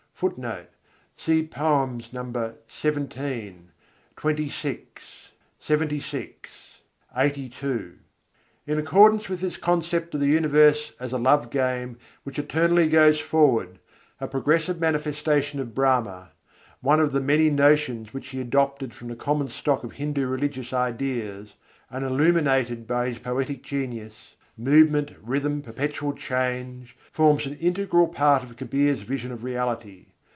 [Footnote: Nos. XVII, XXVI, LXXVI, LXXXII.] In accordance with this concept of the universe as a Love Game which eternally goes forward, a progressive manifestation of Brahma one of the many notions which he adopted from the common stock of Hindu religious ideas, and illuminated by his poetic genius movement, rhythm, perpetual change, forms an integral part of Kabîr's vision of Reality.